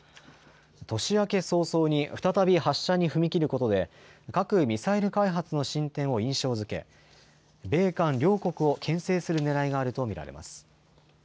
年明け早々に再び発射に踏み切ることで核・ミサイル開発の進展を印象づけ米韓両国をけん制するねらいがあると見られます。